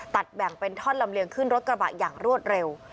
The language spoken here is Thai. แบ่งเป็นท่อนลำเลียงขึ้นรถกระบะอย่างรวดเร็ว